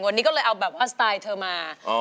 วันนี้ก็เลยเอาแบบว่าสไตล์เธอมา